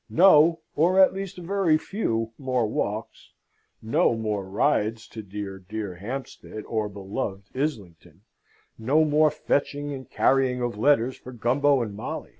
No, or at least a very few, more walks; no more rides to dear, dear Hampstead or beloved Islington; no more fetching and carrying of letters for Gumbo and Molly!